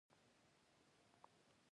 د کرونا وبا خلکو ته د روغتیا اهمیت یاد کړ.